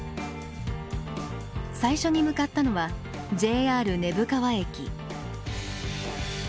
最初に向かったのはＪＲ根府川駅。